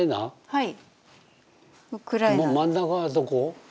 はい。